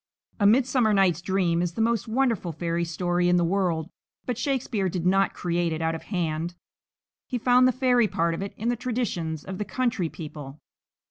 "A Midsummer Night's Dream" is the most wonderful fairy story in the world, but Shakespeare did not create it out of hand; he found the fairy part of it in the traditions of the country people.